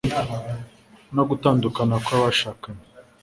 no gutandukana kwa bashakanye